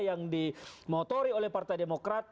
yang dimotori oleh partai demokrat